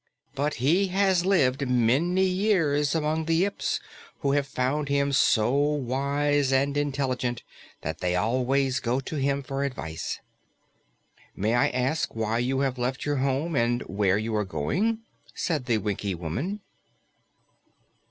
"But he has lived many years among the Yips, who have found him so wise and intelligent that they always go to him for advice." "May I ask why you have left your home and where you are going?" said the Winkie woman.